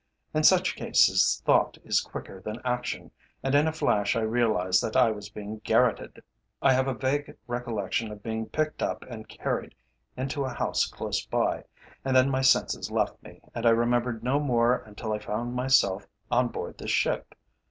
In such cases thought is quicker than action, and in a flash I realized that I was being garrotted. I have a vague recollection of being picked up and carried into a house close by, and then my senses left me and I remembered no more until I found myself on board this ship.